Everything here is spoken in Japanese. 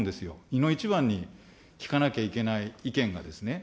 いの一番に聞かなきゃいけない意見がですね。